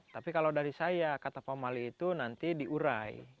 tapi kalau dari saya kata pemali itu nanti diurai